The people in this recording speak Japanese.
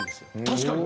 確かに。